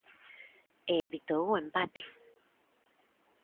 E evitou o empate.